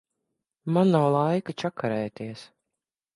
Man nav laika čakarēties.